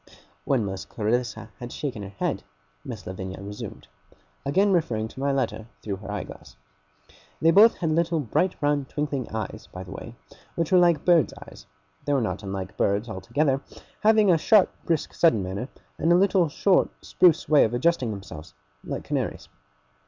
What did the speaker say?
When Miss Clarissa had shaken her head, Miss Lavinia resumed: again referring to my letter through her eye glass. They both had little bright round twinkling eyes, by the way, which were like birds' eyes. They were not unlike birds, altogether; having a sharp, brisk, sudden manner, and a little short, spruce way of adjusting themselves, like canaries.